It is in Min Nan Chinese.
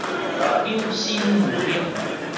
有心無力